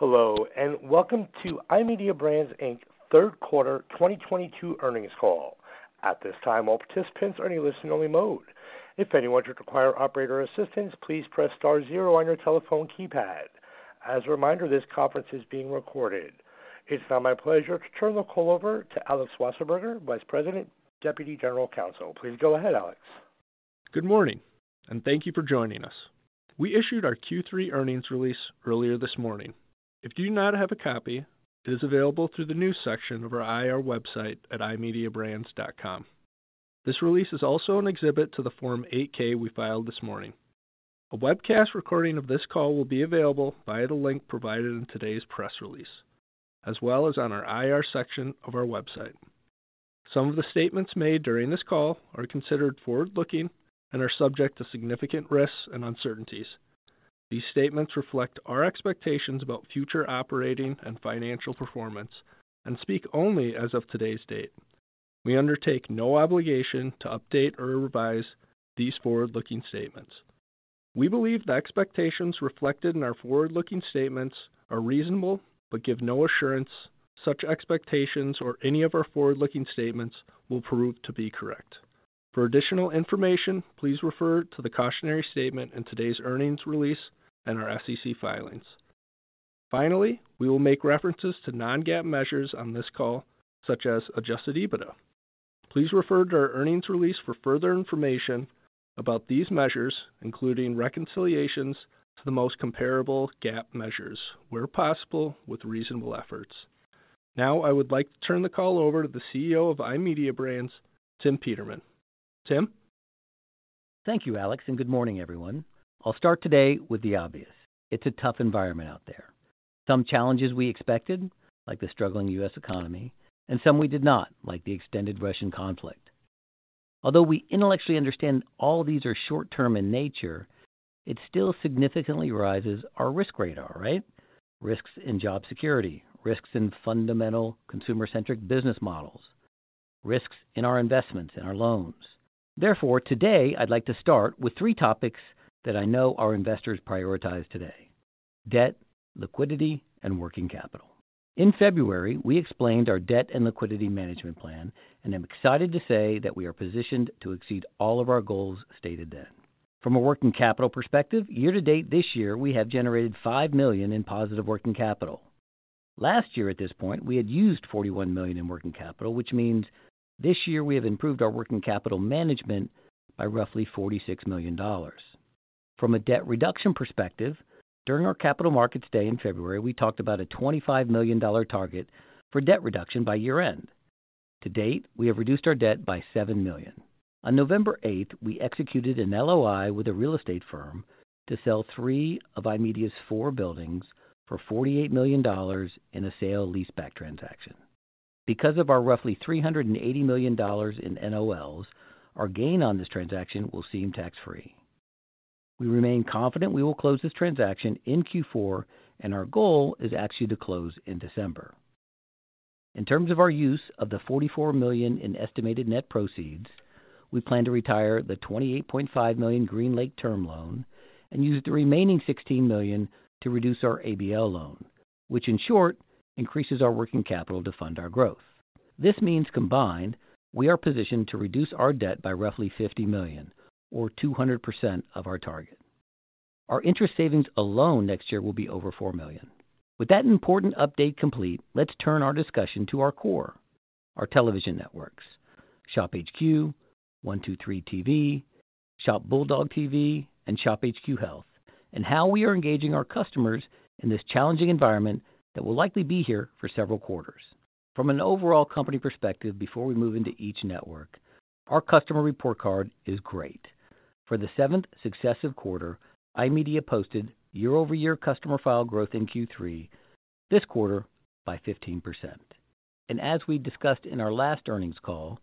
Hello, welcome to iMedia Brands, Inc.'s third quarter 2022 earnings call. At this time, all participants are in a listen-only mode. If anyone should require operator assistance, please press star zero on your telephone keypad. As a reminder, this conference is being recorded. It's now my pleasure to turn the call over to Alex Wasserburger, Vice President, Deputy General Counsel. Please go ahead, Alex. Good morning, thank you for joining us. We issued our Q3 earnings release earlier this morning. If you do not have a copy, it is available through the news section of our IR website at imediabrands.com. This release is also an exhibit to the Form 8-K we filed this morning. A webcast recording of this call will be available via the link provided in today's press release, as well as on our IR section of our website. Some of the statements made during this call are considered forward-looking and are subject to significant risks and uncertainties. These statements reflect our expectations about future operating and financial performance and speak only as of today's date. We undertake no obligation to update or revise these forward-looking statements. We believe the expectations reflected in our forward-looking statements are reasonable but give no assurance such expectations or any of our forward-looking statements will prove to be correct. For additional information, please refer to the cautionary statement in today's earnings release and our SEC filings. Finally, we will make references to non-GAAP measures on this call, such as adjusted EBITDA. Please refer to our earnings release for further information about these measures, including reconciliations to the most comparable GAAP measures, where possible with reasonable efforts. I would like to turn the call over to the CEO of iMedia Brands, Tim Peterman. Tim? Thank you, Alex. Good morning, everyone. I'll start today with the obvious: It's a tough environment out there. Some challenges we expected, like the struggling US economy, and some we did not, like the extended Russian conflict. Although we intellectually understand all these are short-term in nature, it still significantly rises our risk radar, right? Risks in job security, risks in fundamental consumer-centric business models, risks in our investments, in our loans. Therefore, today I'd like to start with three topics that I know our investors prioritize today, debt, liquidity, and working capital. In February, we explained our debt and liquidity management plan, and I'm excited to say that we are positioned to exceed all of our goals stated then. From a working capital perspective, year-to-date this year, we have generated $5 million in positive working capital. Last year at this point, we had used $41 million in working capital, which means this year we have improved our working capital management by roughly $46 million dollars. From a debt reduction perspective, during our Capital Markets Day in February, we talked about a $25 million dollar target for debt reduction by year end. To date, we have reduced our debt by $7 million. On November eighth, we executed an LOI with a real estate firm to sell three of iMedia's four buildings for $48 million dollars in a sale-leaseback transaction. Because of our roughly $380 million dollars in NOLs, our gain on this transaction will seem tax-free. We remain confident we will close this transaction in Q4, and our goal is actually to close in December. In terms of our use of the $44 million in estimated net proceeds, we plan to retire the $28.5 million GreenLake term loan and use the remaining $16 million to reduce our ABL loan, which in short increases our working capital to fund our growth. This means combined, we are positioned to reduce our debt by roughly $50 million or 200% of our target. Our interest savings alone next year will be over $4 million. With that important update complete, let's turn our discussion to our core, our television networks, ShopHQ, 123tv, Shop Bulldog TV, and ShopHQ Health, and how we are engaging our customers in this challenging environment that will likely be here for several quarters. From an overall company perspective, before we move into each network, our customer report card is great. For the 7th successive quarter, iMedia posted year-over-year customer file growth in Q3, this quarter by 15%. As we discussed in our last earnings call,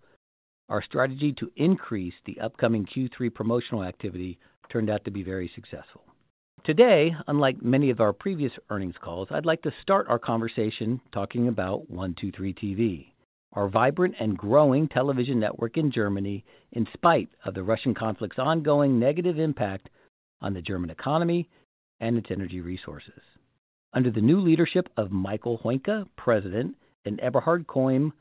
our strategy to increase the upcoming Q3 promotional activity turned out to be very successful. Today, unlike many of our previous earnings calls, I'd like to start our conversation talking about 123tv, our vibrant and growing television network in Germany, in spite of the Russian conflict's ongoing negative impact on the German economy and its energy resources. Under the new leadership of Michael Heuncke, President, and Eberhard Kohm,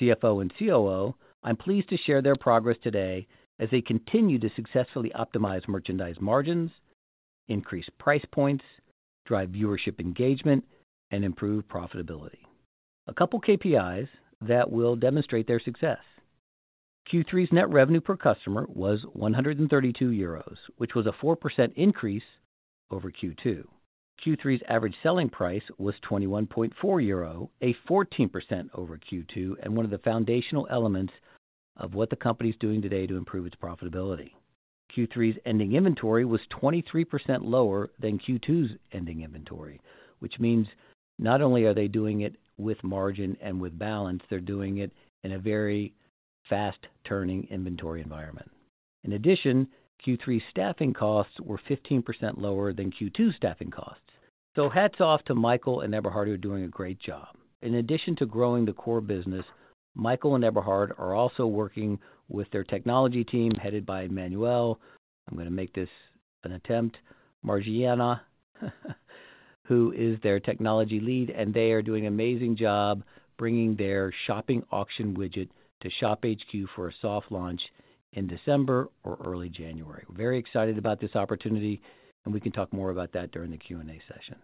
CFO and COO, I'm pleased to share their progress today as they continue to successfully optimize merchandise margins, increase price points, drive viewership engagement, and improve profitability. A couple KPIs that will demonstrate their success. Q3's net revenue per customer was 132 euros, which was a 4% increase over Q2. Q3's average selling price was 21.4 EUR, a 14% over Q2, one of the foundational elements of what the company's doing today to improve its profitability. Q3's ending inventory was 23% lower than Q2's ending inventory, which means not only are they doing it with margin and with balance, they're doing it in a very fast-turning inventory environment. In addition, Q3 staffing costs were 15% lower than Q2 staffing costs. Hats off to Michael and Eberhard, who are doing a great job. In addition to growing the core business, Michael and Eberhard are also working with their technology team, headed by Manuel. I'm going to make this an attempt, Marijan, who is their Technology Lead, and they are doing an amazing job bringing their shopping auction widget to ShopHQ for a soft launch in December or early January. We're very excited about this opportunity, and we can talk more about that during the Q&A session.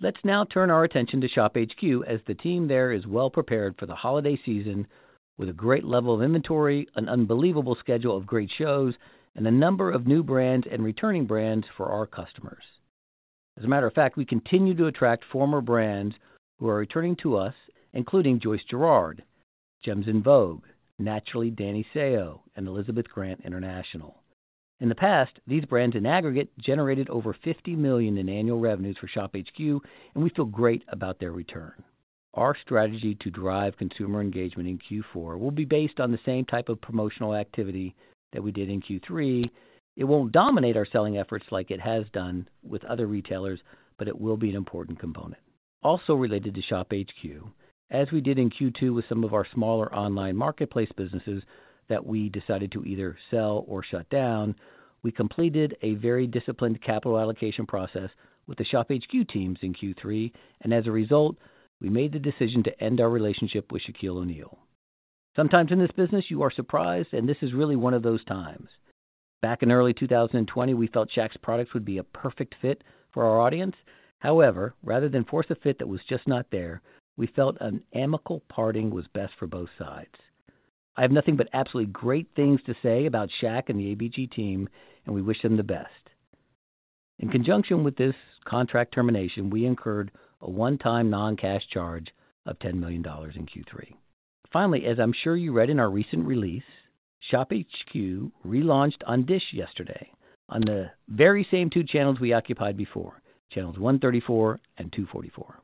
Let's now turn our attention to ShopHQ as the team there is well prepared for the holiday season with a great level of inventory, an unbelievable schedule of great shows, and a number of new brands and returning brands for our customers. As a matter of fact, we continue to attract former brands who are returning to us, including Joyce Giraud, Gems en Vogue, Naturally, Danny Seo, and Elizabeth Grant International. In the past, these brands in aggregate generated over $50 million in annual revenues for ShopHQ, and we feel great about their return. Our strategy to drive consumer engagement in Q4 will be based on the same type of promotional activity that we did in Q3. It won't dominate our selling efforts like it has done with other retailers, but it will be an important component. Also related to ShopHQ, as we did in Q2 with some of our smaller online marketplace businesses that we decided to either sell or shut down, we completed a very disciplined capital allocation process with the ShopHQ teams in Q3, and as a result, we made the decision to end our relationship with Shaquille O'Neal. Sometimes in this business, you are surprised, and this is really one of those times. Back in early 2020, we felt Shaq's products would be a perfect fit for our audience. Rather than force a fit that was just not there, we felt an amicable parting was best for both sides. I have nothing but absolutely great things to say about Shaq and the ABG team, and we wish them the best. In conjunction with this contract termination, we incurred a one-time non-cash charge of $10 million in Q3. Finally, as I'm sure you read in our recent release, ShopHQ relaunched on DISH yesterday on the very same two channels we occupied before, channels 134 and 244.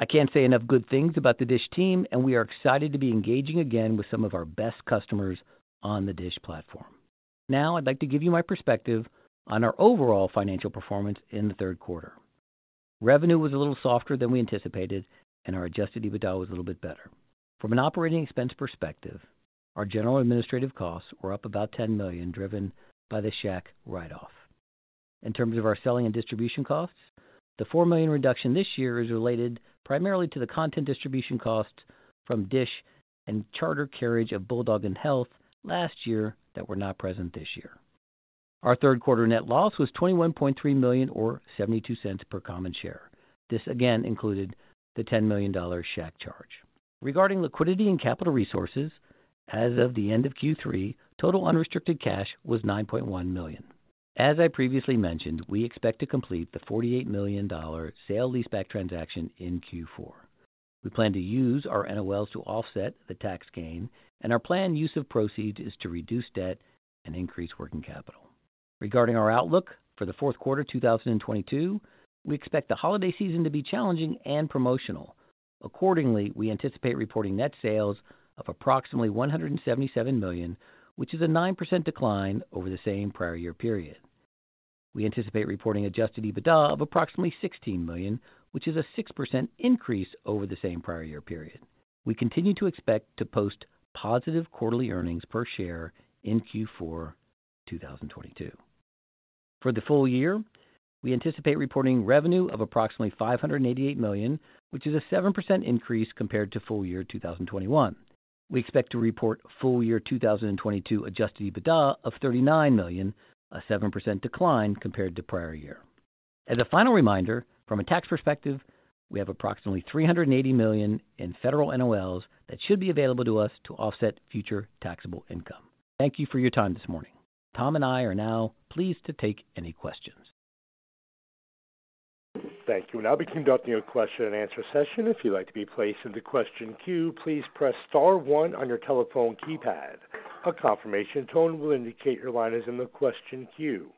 I can't say enough good things about the DISH team, and we are excited to be engaging again with some of our best customers on the DISH platform. I'd like to give you my perspective on our overall financial performance in the third quarter. Revenue was a little softer than we anticipated, and our adjusted EBITDA was a little bit better. From an operating expense perspective, our general administrative costs were up about $10 million, driven by the Shaq write-off. In terms of our selling and distribution costs, the $4 million reduction this year is related primarily to the content distribution costs from DISH and Charter carriage of Bulldog and Health last year that were not present this year. Our third quarter net loss was $21.3 million or $0.72 per common share. This again included the $10 million Shaq charge. Regarding liquidity and capital resources, as of the end of Q3, total unrestricted cash was $9.1 million. As I previously mentioned, we expect to complete the $48 million sale-leaseback transaction in Q4. We plan to use our NOLs to offset the tax gain, and our planned use of proceeds is to reduce debt and increase working capital. Regarding our outlook for Q4 2022, we expect the holiday season to be challenging and promotional. Accordingly, we anticipate reporting net sales of approximately $177 million, which is a 9% decline over the same prior year period. We anticipate reporting adjusted EBITDA of approximately $16 million, which is a 6% increase over the same prior year period. We continue to expect to post positive quarterly earnings per share in Q4 2022. For the full year, we anticipate reporting revenue of approximately $588 million, which is a 7% increase compared to full year 2021. We expect to report full year 2022 adjusted EBITDA of $39 million, a 7% decline compared to prior year. As a final reminder, from a tax perspective, we have approximately $380 million in federal NOLs that should be available to us to offset future taxable income. Thank you for your time this morning. Tom and I are now pleased to take any questions. Thank you. We'll now be conducting a question and answer session. If you'd like to be placed in the question queue, please press star one on your telephone keypad. A confirmation tone will indicate your line is in the question queue.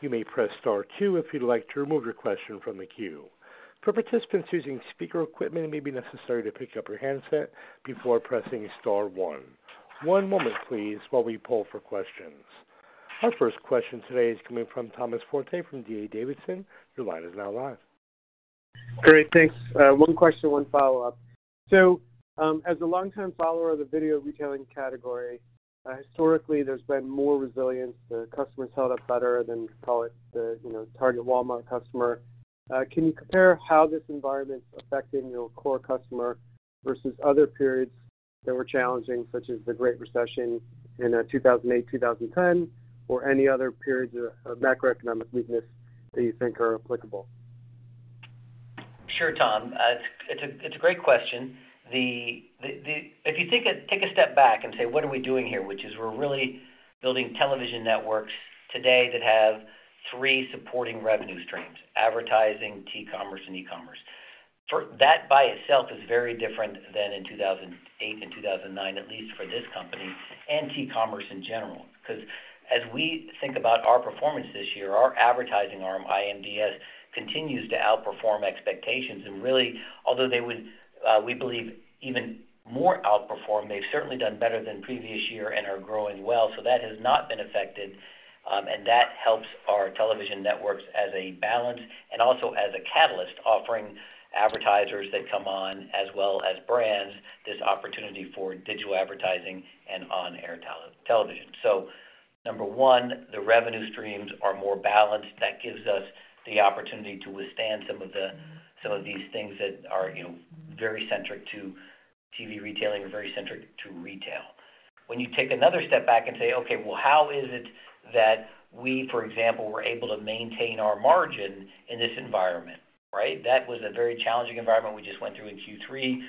You may press star two if you'd like to remove your question from the queue. For participants using speaker equipment, it may be necessary to pick up your handset before pressing star one. One moment, please, while we poll for questions. Our first question today is coming from Tom Forte from D.A. Davidson. Your line is now live. Great. Thanks. Onequestion, One follow-up. As a longtime follower of the video retailing category, historically, there's been more resilience. The customers held up better than call it the, you know, Target, Walmart customer. Can you compare how this environment's affecting your core customer versus other periods that were challenging, such as the Great Recession in 2008, 2010, or any other periods of macroeconomic weakness that you think are applicable? Sure, Tom. It's a great question. If you take a step back and say, "What are we doing here?" Which is we're really building television networks today that have three supporting revenue streams, advertising, T-commerce, and e-commerce. That by itself is very different than in 2008 and 2009, at least for this company and T-commerce in general, because as we think about our performance this year, our advertising arm, iMDS, continues to outperform expectations. Really, although they would, we believe even more outperform, they've certainly done better than previous year and are growing well. That has not been affected, and that helps our television networks as a balance and also as a catalyst, offering advertisers that come on as well as brands this opportunity for digital advertising and on-air tele-television. Number one, the revenue streams are more balanced. That gives us the opportunity to withstand some of these things that are, you know, very centric to TV retailing or very centric to retail. When you take another step back and say, "Okay, well, how is it that we, for example, were able to maintain our margin in this environment?" Right? That was a very challenging environment we just went through in Q3.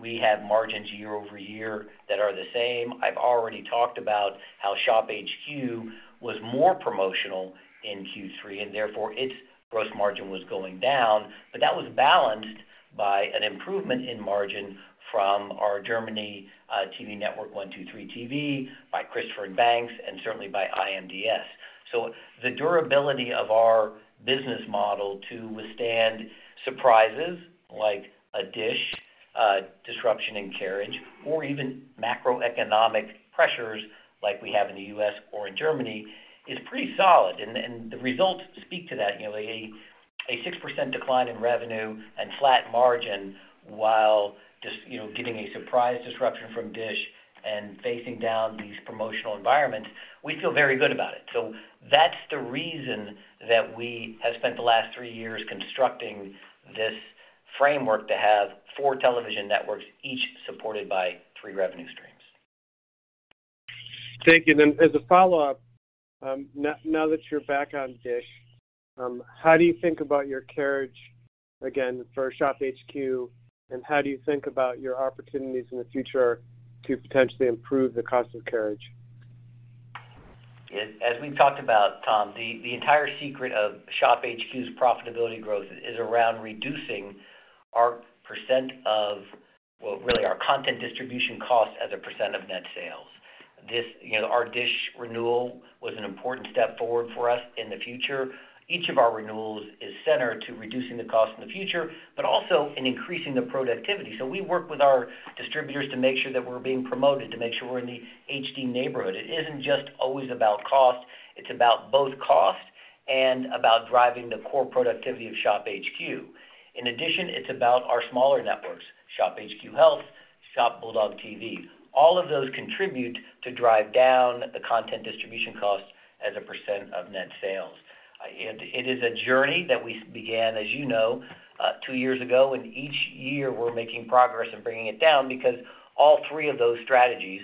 We have margins year over year that are the same. I've already talked about how ShopHQ was more promotional in Q3, and therefore its gross margin was going down. That was balanced by an improvement in margin from our Germany TV network, 123tv, by Christopher & Banks, and certainly by iMDS. The durability of our business model to withstand surprises like a Dish disruption in carriage or even macroeconomic pressures like we have in the US or in Germany is pretty solid, and the results speak to that. You know, a 6% decline in revenue and flat margin while just, you know, getting a surprise disruption from Dish and facing down these promotional environments, we feel very good about it. That's the reason that we have spent the last 3 years constructing this framework to have 4 television networks, each supported by 3 revenue streams. Thank you. As a follow-up, now that you're back on Dish, how do you think about your carriage again for ShopHQ, and how do you think about your opportunities in the future to potentially improve the cost of carriage? As we've talked about, Tom, the entire secret of ShopHQ's profitability growth is around well, really our content distribution cost as a % of net sales. You know, our Dish renewal was an important step forward for us in the future. Each of our renewals is centered to reducing the cost in the future, but also in increasing the productivity. We work with our distributors to make sure that we're being promoted, to make sure we're in the HD neighborhood. It isn't just always about cost, it's about both cost and about driving the core productivity of ShopHQ. In addition, it's about our smaller networks, ShopHQ Health, Shop Bulldog TV. All of those contribute to drive down the content distribution cost as a % of net sales. It is a journey that we began, as you know, 2 years ago, and each year we're making progress in bringing it down because all three of those strategies,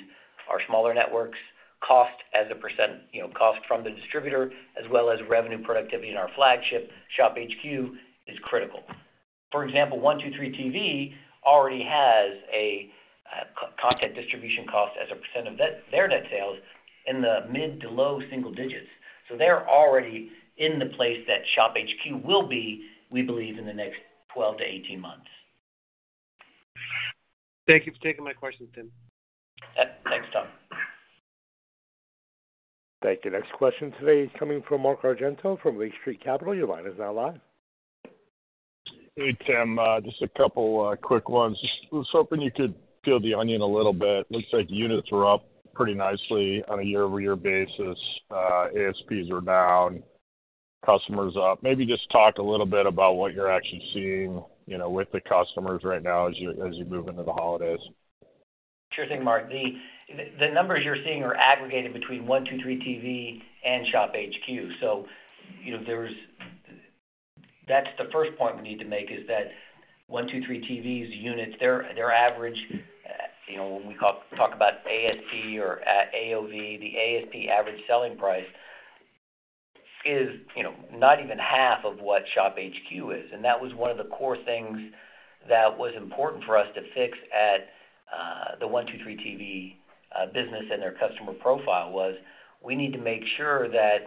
our smaller networks cost as a %, you know, cost from the distributor as well as revenue productivity in our flagship ShopHQ is critical. For example, 123tv already has a content distribution cost as a % of their net sales in the mid to low single digits. They're already in the place that ShopHQ will be, we believe, in the next 12-18 months. Thank you for taking my questions, Tim. Thanks, Tom. Thank you. Next question today is coming from Mark Argento from Lake Street Capital. Your line is now live. Hey, Tim. just a couple quick ones. Just was hoping you could peel the onion a little bit. Looks like units were up pretty nicely on a year-over-year basis. ASPs are down, customers up. Maybe just talk a little bit about what you're actually seeing, you know, with the customers right now as you move into the holidays. Sure thing, Mark. The numbers you're seeing are aggregated between 123tv and ShopHQ. you know, That's the first point we need to make is that 123tv's units, their average, you know, when we talk about ASP or AOV, the ASP average selling price is, you know, not even half of what ShopHQ is. That was one of the core things that was important for us to fix at the 123tv business and their customer profile was we need to make sure that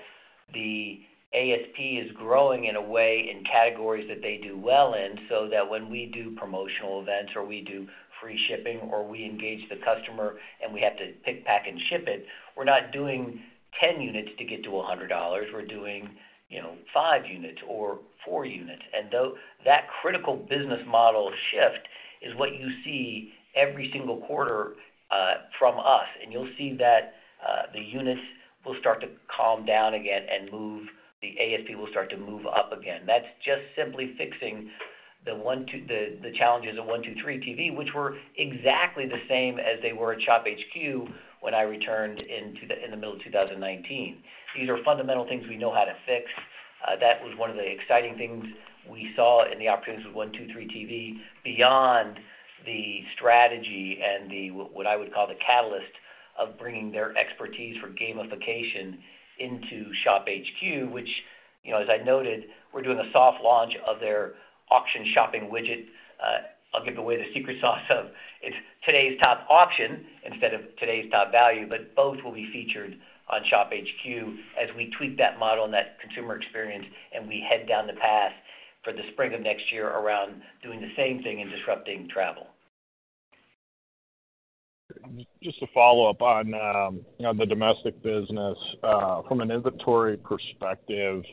the ASP is growing in a way in categories that they do well in so that when we do promotional events or we do free shipping or we engage the customer and we have to pick, pack, and ship it, we're not doing 10 units to get to $100. We're doing, you know, five units or four units. That critical business model shift is what you see every single quarter from us. You'll see that the units will start to calm down again and move. The ASP will start to move up again. That's just simply fixing the challenges of 123tv, which were exactly the same as they were at ShopHQ when I returned in the middle of 2019. These are fundamental things we know how to fix. That was one of the exciting things we saw in the opportunities with 123tv beyond the strategy and the, what I would call the catalyst of bringing their expertise for gamification into ShopHQ, which, you know, as I noted, we're doing a soft launch of their auction shopping widget. I'll give away the secret sauce of it's Today's Top Auction instead of Today's Top Value, but both will be featured on ShopHQ as we tweak that model and that consumer experience, and we head down the path for the spring of next year around doing the same thing and disrupting travel. Just a follow-up on the domestic business, from an inventory perspective,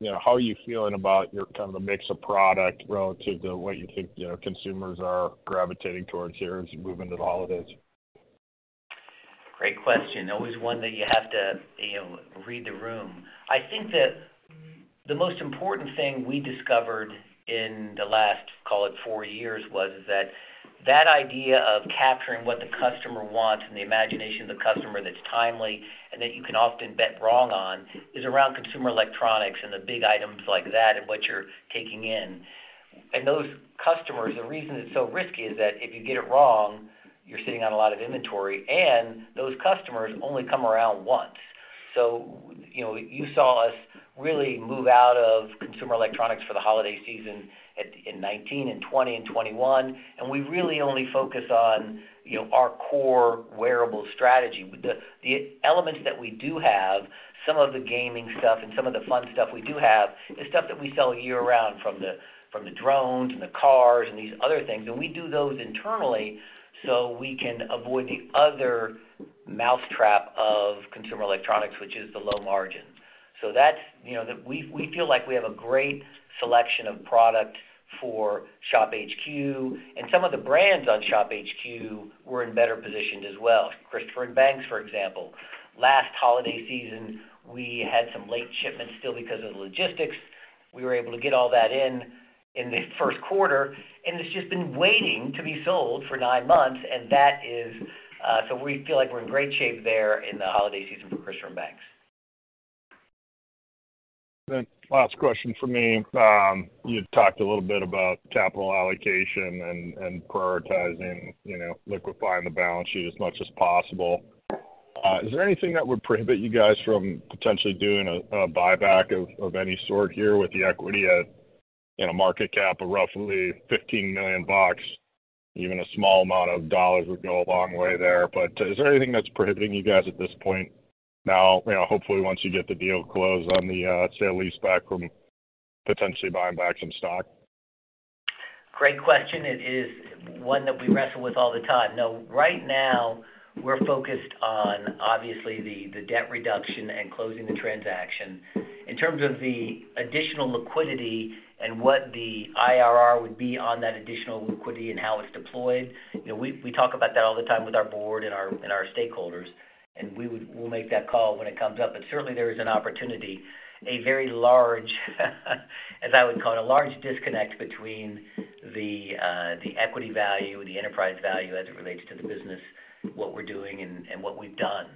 you know, how are you feeling about your a mix of product relative to what you think, you know, consumers are gravitating towards here as you move into the holidays? Great question. Always one that you have to, you know, read the room. I think the most important thing we discovered in the last, call it four years, was that that idea of capturing what the customer wants and the imagination of the customer that's timely and that you can often bet wrong on is around consumer electronics and the big items like that and what you're taking in. Those customers, the reason it's so risky is that if you get it wrong, you're sitting on a lot of inventory, and those customers only come around once. You know, you saw us really move out of consumer electronics for the holiday season in 2019, 2020, and 2021, and we really only focus on, you know, our core wearable strategy. The elements that we do have, some of the gaming stuff and some of the fun stuff we do have is stuff that we sell year-round, from the drones and the cars and these other things. We do those internally so we can avoid the other mousetrap of consumer electronics, which is the low margin. That's, you know. We feel like we have a great selection of product for ShopHQ. Some of the brands on ShopHQ were in better positions as well. Christopher & Banks, for example. Last holiday season, we had some late shipments still because of the logistics. We were able to get all that in the first quarter. It's just been waiting to be sold for nine months, and that is. We feel like we're in great shape there in the holiday season for Christopher & Banks. Last question from me. You've talked a little bit about capital allocation and prioritizing, you know, liquefying the balance sheet as much as possible. Is there anything that would prohibit you guys from potentially doing a buyback of any sort here with the equity at, you know, market cap of roughly $15 million? Even a small amount of dollars would go a long way there. Is there anything that's prohibiting you guys at this point now? You know, hopefully once you get the deal closed on the sale-leaseback from potentially buying back some stock. Great question. It is one that we wrestle with all the time. Right now, we're focused on, obviously the debt reduction and closing the transaction. In terms of the additional liquidity and what the IRR would be on that additional liquidity and how it's deployed, you know, we talk about that all the time with our board and our stakeholders, and we'll make that call when it comes up. Certainly, there is an opportunity, a very large as I would call it, a large disconnect between the equity value, the enterprise value as it relates to the business, what we're doing and what we've done.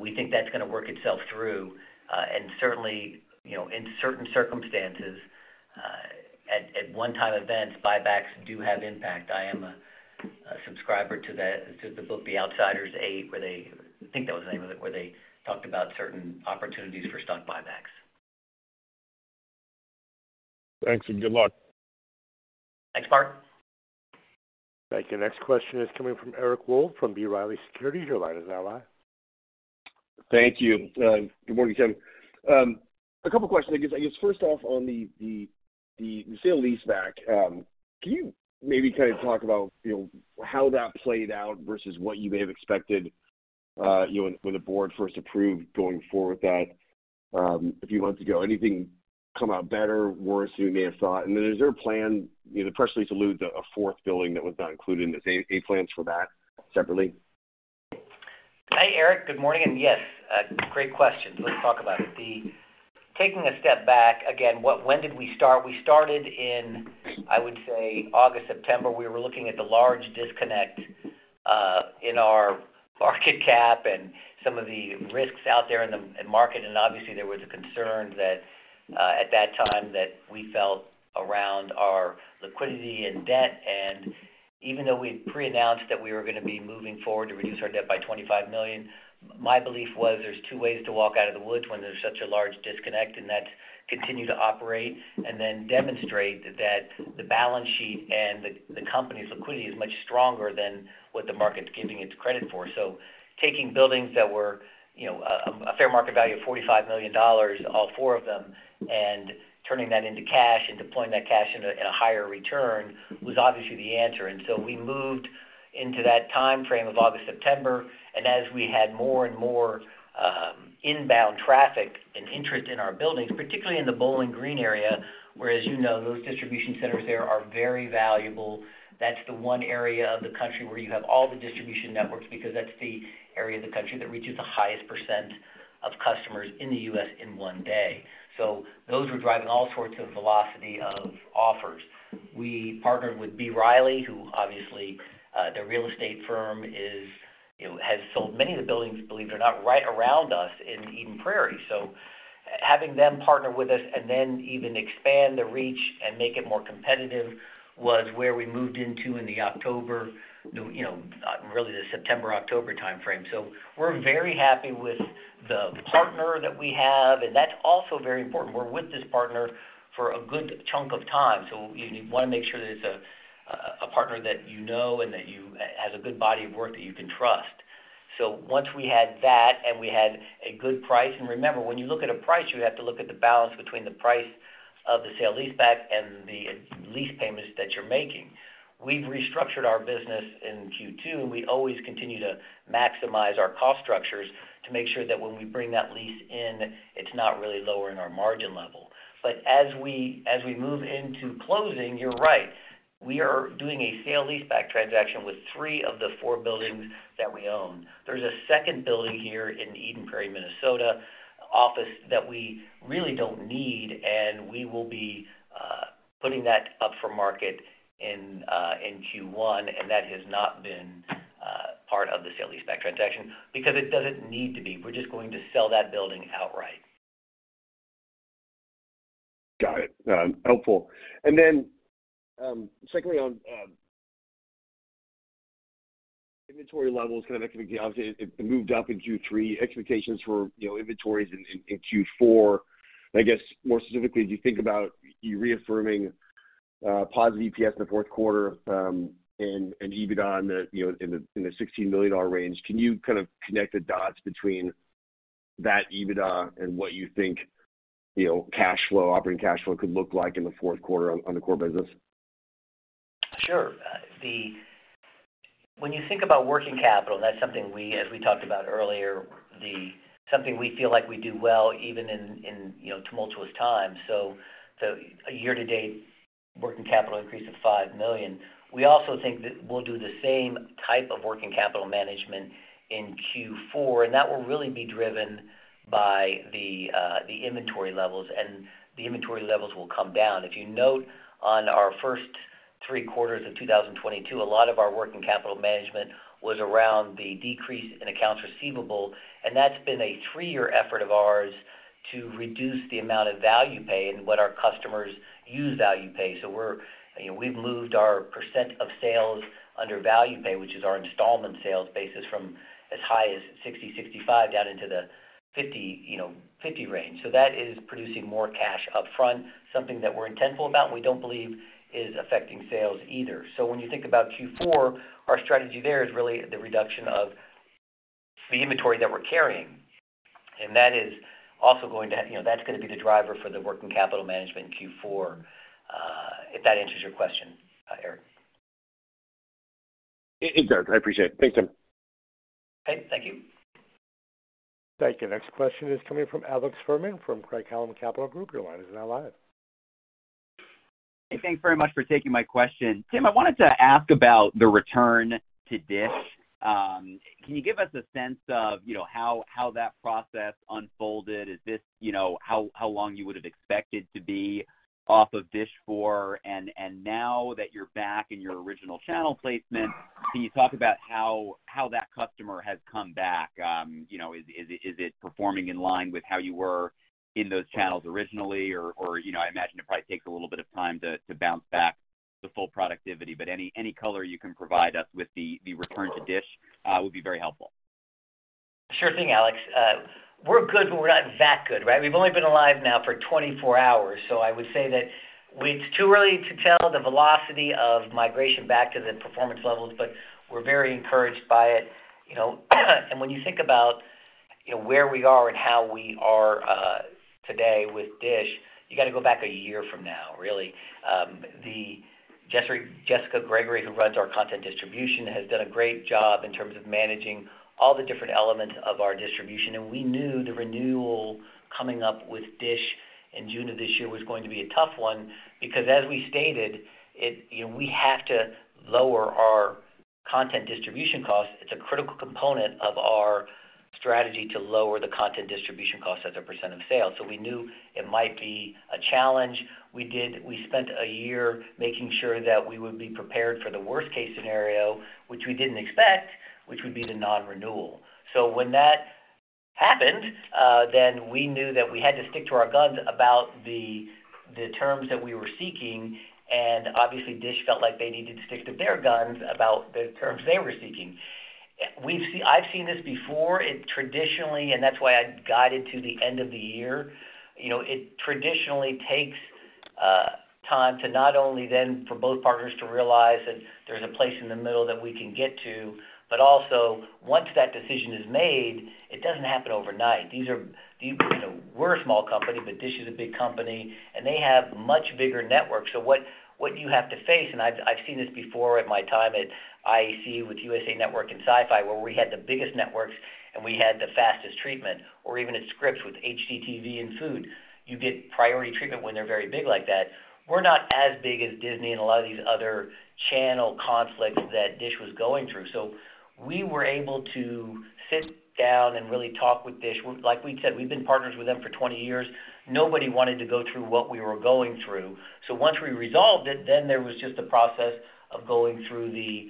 We think that's gonna work itself through. Certainly, you know, in certain circumstances, at one-time events, buybacks do have impact. I am a subscriber to the book The Outsiders Eight, I think that was the name of it, where they talked about certain opportunities for stock buybacks. Thanks, and good luck. Thanks, Mark. Thank you. Next question is coming from Eric Wold from B. Riley Securities. Your line is now live. Thank you. Good morning, Tim. A couple questions. I guess first off, on the sale-leaseback, can you maybe talk about, you know, how that played out versus what you may have expected, you know, when the board first approved going forward with that, a few months ago? Anything come out better, worse than you may have thought? Is there a plan, you know, to partially to allude to a fourth building that was not included in this? Any plans for that separately? Hey, Eric. Good morning. Yes, great question. Let's talk about it. Taking a step back, again, when did we start? We started in, I would say, August, September. We were looking at the large disconnect in our market cap and some of the risks out there in the market. Obviously, there was a concern that at that time that we felt around our liquidity and debt. Even though we'd pre-announced that we were gonna be moving forward to reduce our debt by $25 million, my belief was there's two ways to walk out of the woods when there's such a large disconnect, and that's continue to operate and then demonstrate that the balance sheet and the company's liquidity is much stronger than what the market's giving it credit for. Taking buildings that were, you know, a fair market value of $45 million, all four of them, and turning that into cash and deploying that cash in a higher return was obviously the answer. We moved into that timeframe of August, September. As we had more and more inbound traffic and interest in our buildings, particularly in the Bowling Green area, where, as you know, those distribution centers there are very valuable. That's the one area of the country where you have all the distribution networks because that's the area of the country that reaches the highest % of customers in the US in one day. Those were driving all sorts of velocity of offers. We partnered with B. Riley, who obviously, their real estate firm is, you know, has sold many of the buildings, believe it or not, right around us in Eden Prairie. Having them partner with us and then even expand the reach and make it more competitive was where we moved into in the October, you know, really the September-October timeframe. We're very happy with the partner that we have, and that's also very important. We're with this partner for a good chunk of time, so you wanna make sure that it's a partner that you know and that has a good body of work that you can trust. Once we had that and we had a good price. Remember, when you look at a price, you have to look at the balance between the price of the sale-leaseback and the lease payments that you're making. We've restructured our business in Q2, and we always continue to maximize our cost structures to make sure that when we bring that lease in, it's not really lowering our margin levels. As we move into closing, you're right. We are doing a sale-leaseback transaction with 3 of the 4 buildings that we own. There's a second building here in Eden Prairie, Minnesota office that we really don't need, and we will be putting that up for market in Q1, and that has not been part of the sale-leaseback transaction because it doesn't need to be. We're just going to sell that building outright. Got it. Helpful. Secondly on inventory levels, obviously it moved up in Q3. Expectations for, you know, inventories in Q4. I guess, more specifically, as you think about you reaffirming positive EPS in the fourth quarter and EBITDA in the, you know, in the $16 million range, can you connect the dots between that EBITDA and what you think, you know, cash flow, operating cash flow could look like in the fourth quarter on the core business? Sure. When you think about working capital, that's something we, as we talked about earlier, something we feel like we do well even in, you know, tumultuous times. A year-to-date working capital increase of $5 million. We also think that we'll do the same type of working capital management in Q4, and that will really be driven by the inventory levels, and the inventory levels will come down. If you note on our first three quarters of 2022, a lot of our working capital management was around the decrease in accounts receivable, and that's been a 3-year effort of ours to reduce the amount of ValuePay and what our customers use ValuePay. We've moved our % of sales under ValuePay, which is our installment sales basis from as high as 60%, 65% down into the 50%, you know, 50% range. That is producing more cash upfront, something that we're intentful about, and we don't believe is affecting sales either. When you think about Q4, our strategy there is really the reduction of the inventory that we're carrying. That is also, you know, that's gonna be the driver for the working capital management in Q4, if that answers your question, Eric. It does. I appreciate it. Thanks, Tim. Okay. Thank you. Thank you. Next question is coming from Alex Fuhrman from Craig-Hallum Capital Group. Your line is now live. Hey. Thanks very much for taking my question. Tim, I wanted to ask about the return to DISH. Can you give us a sense of, you know, how that process unfolded? Is this, you know, how long you would have expected to be off of DISH for? Now that you're back in your original channel placement, can you talk about how that customer has come back? You know, is it performing in line with how you were in those channels originally or, you know, I imagine it probably takes a little bit of time to bounce back to full productivity, but any color you can provide us with the return to DISH would be very helpful. Sure thing, Alex. We're good, we're not that good, right? We've only been alive now for 24 hours, I would say that it's too early to tell the velocity of migration back to the performance levels, we're very encouraged by it, you know. When you think about, you know, where we are and how we are today with DISH, you gotta go back a year from now, really. Jessica Gregory, who runs our content distribution, has done a great job in terms of managing all the different elements of our distribution. We knew the renewal coming up with DISH in June of this year was going to be a tough one because as we stated, you know, we have to lower our content distribution costs. It's a critical component of our strategy to lower the content distribution costs as a % of sales. We knew it might be a challenge. We spent a year making sure that we would be prepared for the worst case scenario, which we didn't expect, which would be the non-renewal. When that happened, then we knew that we had to stick to our guns about the terms that we were seeking, and obviously, DISH felt like they needed to stick to their guns about the terms they were seeking. I've seen this before. It traditionally, and that's why I guided to the end of the year. You know, it traditionally takes time to not only then for both partners to realize that there's a place in the middle that we can get to, but also once that decision is made, it doesn't happen overnight. We're a small company, but DISH is a big company, and they have much bigger networks. What you have to face, and I've seen this before in my time at IAC with USA Network and Syfy, where we had the biggest networks, and we had the fastest treatment, or even at Scripps with HGTV and Food, you get priority treatment when they're very big like that. We're not as big as Disney and a lot of these other channel conflicts that DISH was going through. We were able to sit down and really talk with DISH. Like we said, we've been partners with them for 20 years. Nobody wanted to go through what we were going through. Once we resolved it, then there was just a process of going through the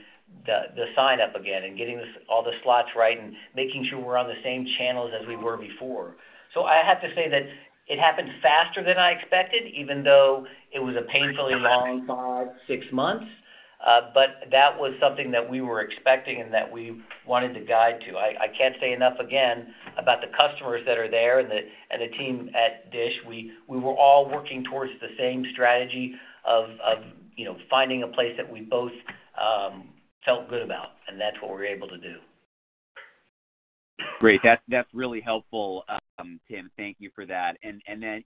sign-up again and getting all the slots right and making sure we're on the same channels as we were before. I have to say that it happened faster than I expected, even though it was a painfully long five, six months. That was something that we were expecting and that we wanted to guide to. I can't say enough again about the customers that are there and the team at DISH. We, we were all working towards the same strategy of, you know, finding a place that we both felt good about, and that's what we were able to do. Great. That's really helpful, Tim, thank you for that.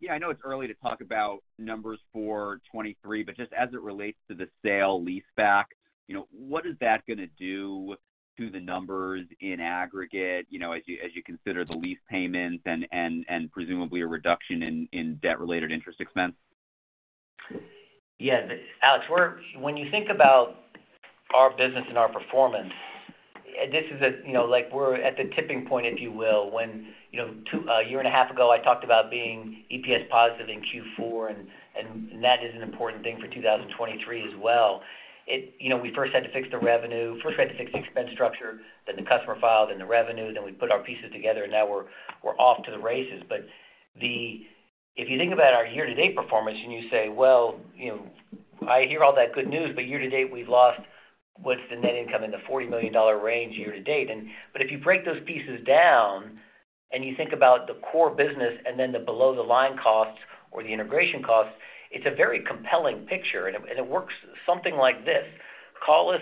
Yeah, I know it's early to talk about numbers for 2023, but just as it relates to the sale-leaseback, you know, what is that gonna do to the numbers in aggregate, you know, as you, as you consider the lease payments and, and presumably a reduction in debt-related interest expense? Yeah. Alex, when you think about our business and our performance, this is a, you know, like we're at the tipping point, if you will, when, you know, a year and a half ago, I talked about being EPS positive in Q4, and that is an important thing for 2023 as well. You know, we first had to fix the revenue. First, we had to fix the expense structure, then the customer file, then the revenue, then we put our pieces together, and now we're off to the races. If you think about our year-to-date performance and you say, "Well, you know, I hear all that good news, but year-to-date, we've lost what's the net income in the $40 million range year to date." If you break those pieces down and you think about the core business and then the below-the-line costs or the integration costs, it's a very compelling picture, and it works something like this. Call us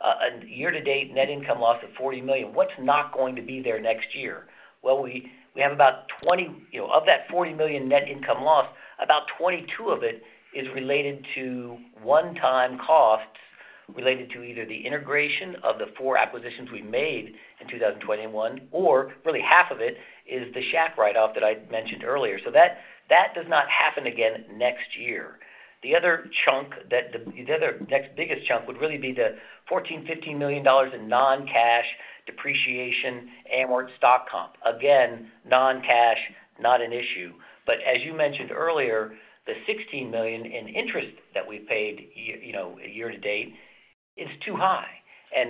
a year-to-date net income loss of $40 million. What's not going to be there next year? Well, we have, you know, of that $40 million net income loss, about 22 of it is related to one-time costs related to either the integration of the 4 acquisitions we made in 2021, or really half of it is the Shaq write-off that I'd mentioned earlier. That, that does not happen again next year. The other next biggest chunk would really be the $14 million-$15 million in non-cash depreciation, amort stock comp. Again, non-cash, not an issue. As you mentioned earlier, the $16 million in interest that we paid year, you know, year to date is too high.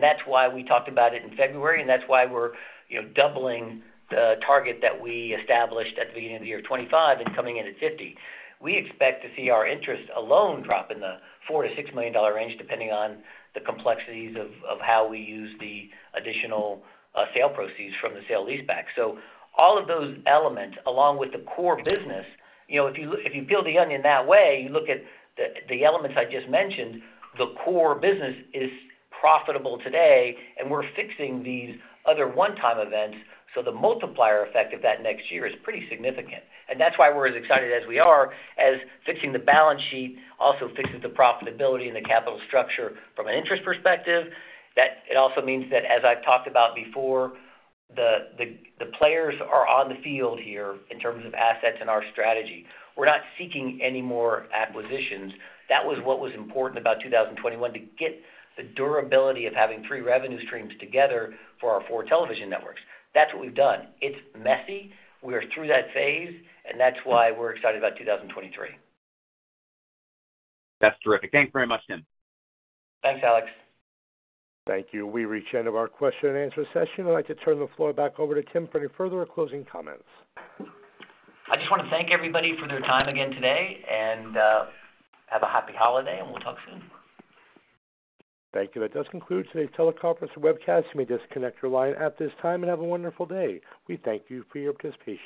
That's why we talked about it in February, and that's why we're, you know, doubling the target that we established at the beginning of the year, 25, and coming in at 50. We expect to see our interest alone drop in the $4 million-$6 million range, depending on the complexities of how we use the additional sale proceeds from the sale-leaseback. All of those elements, along with the core business, you know, if you peel the onion that way, you look at the elements I just mentioned, the core business is profitable today, and we're fixing these other one-time events, so the multiplier effect of that next year is pretty significant. That's why we're as excited as we are as fixing the balance sheet also fixes the profitability and the capital structure from an interest perspective. It also means that, as I've talked about before, the players are on the field here in terms of assets and our strategy. We're not seeking any more acquisitions. That was what was important about 2021, to get the durability of having 3 revenue streams together for our 4 television networks. That's what we've done. It's messy. We are through that phase, and that's why we're excited about 2023. That's terrific. Thanks very much, Tim. Thanks, Alex. Thank you. We've reached the end of our question and answer session. I'd like to turn the floor back over to Tim for any further or closing comments. I just wanna thank everybody for their time again today. Have a happy holiday. We'll talk soon. Thank you. That does conclude today's teleconference webcast. You may disconnect your line at this time and have a wonderful day. We thank you for your participation.